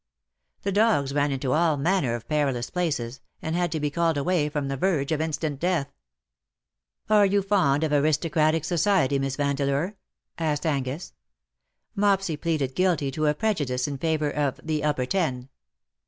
The dogs ran into all manner of perilous places, and had to be called away from the verge of instant death. "Are you fond of aristocratic society. Miss Vandeleur V^ asked Angus. Mopsy pleaded guilty to a prejudice in favour of the Upper Ten.